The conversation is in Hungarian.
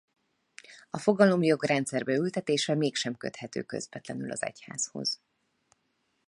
A fogalom jogrendszerbe ültetése mégsem köthető közvetlenül az egyházhoz.